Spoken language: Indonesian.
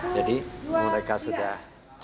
jadi mereka sudah